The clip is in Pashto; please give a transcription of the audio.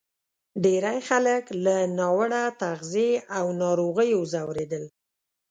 ډېری خلک له ناوړه تغذیې او ناروغیو ځورېدل.